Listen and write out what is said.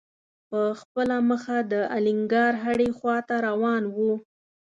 په خپله مخه د الینګار هډې خواته روان و.